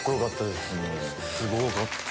すごかったです。